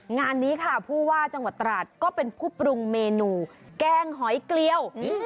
งานนี้ค่ะผู้ว่าจังหวัดตราดก็เป็นผู้ปรุงเมนูแกงหอยเกลียว